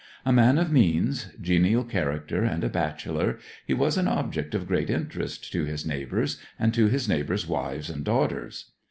A man of means, genial character, and a bachelor, he was an object of great interest to his neighbours, and to his neighbours' wives and daughters.